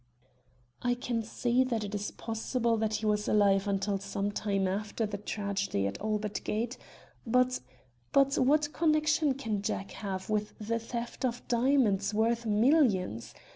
"I can see that it is possible he was alive until some time after the tragedy at Albert Gate. But but what connection can Jack have with the theft of diamonds worth millions?